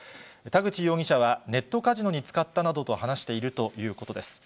田口容疑者はネットカジノに使ったなどと話しているということです。